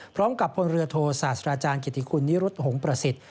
พร้อมกับพลเรือโทษสาธาราชาณกิติคุณิรุฑหงษ์ประสิทธิ์